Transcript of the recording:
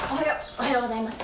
おはようございます。